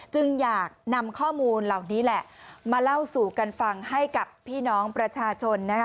จึงอยากนำข้อมูลเหล่านี้แหละมาเล่าสู่กันฟังให้กับพี่น้องประชาชน